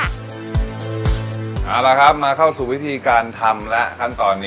เอาละครับมาเข้าสู่วิธีการทำแล้วขั้นตอนนี้